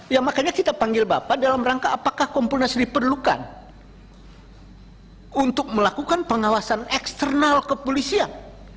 ya makanya kita panggil bapak dalam rangka apakah kompolnas diperlukan untuk melakukan pengawasan eksternal kepolisian